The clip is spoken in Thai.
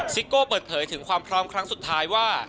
ซิโก้เปิดเผยถึงความพร้อมครั้งสุดท้ายว่า